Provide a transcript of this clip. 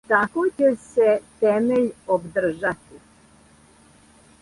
Тако ће се темељ обдржати,